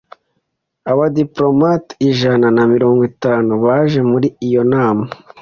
Abadipolomate ijana na mirongo itanu baje muri iyo nama.